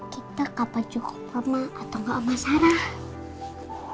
kita kapan jenguk mama atau gak oma sarah